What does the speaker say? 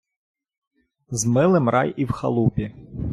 з милим рай і в халупі